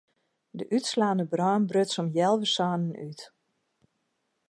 De útslaande brân bruts om healwei sânen út.